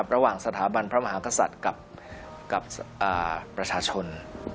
สถาบันพระมหากษัตริย์กับประชาชน